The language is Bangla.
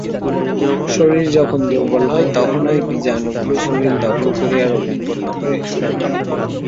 শরীর যখন দুর্বল হয়, তখনই বীজাণুগুলি শরীর দখল করিয়া রোগ উৎপন্ন করে।